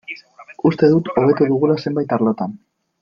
Uste dut hobetu dugula zenbait arlotan.